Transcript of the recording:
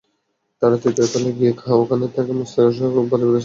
তাঁরা তৃতীয় তলায় গিয়ে ওখানে থাকা মোস্তফাসহ পরিবারের বাকি সদস্যদের বেঁধে ফেলেন।